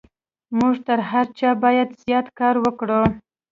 موږ تر هر چا بايد زيات کار وکړو.